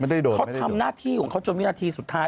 ไม่ได้โดดเขาทำหน้าที่ของเขาจนเวลาที่สุดท้าย